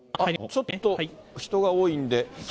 ちょっと人が多いんで。